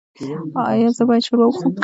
ایا زه باید شوروا وخورم؟